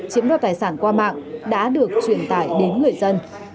chiếm đoạt tài sản qua mạng đã được truyền tải đến người dân